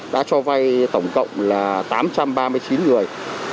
đã cho vay tổng cộng là tám trăm ba mươi chín người